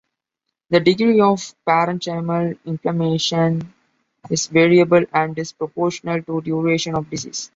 The degree of parenchymal inflammation is variable and is proportional to duration of disease.